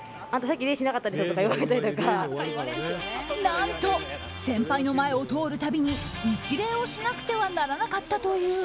何と先輩の前を通る度に一例をしなくてはならなかったという。